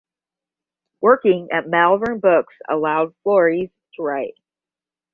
Working at Malvern Books allows Flores to write.